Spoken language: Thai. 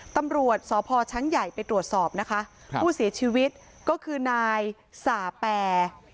ตำรวจสพช้างใหญ่ไปตรวจสอบนะคะผู้เสียชีวิตก็คือนายสาแปร